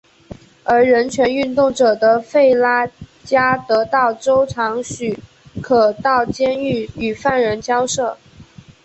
而人权运动者的弗拉加得到州长许可到监狱与犯人交涉。